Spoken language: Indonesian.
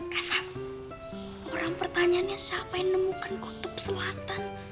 karena orang pertanyaannya siapa yang nemukan kutub selatan